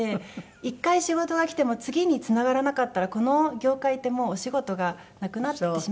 １回仕事がきても次につながらなかったらこの業界ってもうお仕事がなくなってしまうので。